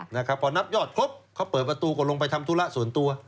นะครับพอนับยอดครบเขาเปิดประตูก็ลงไปทำธุระส่วนตัว